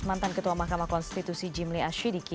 mantan ketua mahkamah konstitusi jimli ashidiki